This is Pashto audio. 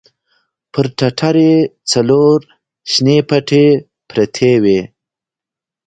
پر ټټر يې څلور شنې پټې پرتې وې.